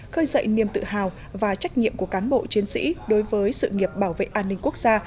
khơi dậy niềm tự hào và trách nhiệm của cán bộ chiến sĩ đối với sự nghiệp bảo vệ an ninh quốc gia